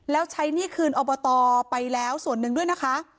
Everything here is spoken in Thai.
แล้วใช้หนี้คืนอบตไปแล้วส่วนหนึ่งด้วยนะคะ